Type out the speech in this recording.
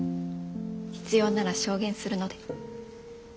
必要なら証言するので。